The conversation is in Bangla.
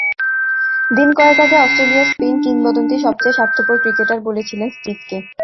দিন কয়েক আগে অস্ট্রেলিয়ার স্পিন কিংবদন্তি সবচেয়ে স্বার্থপর ক্রিকেটার বলেছিলেন স্টিভকে।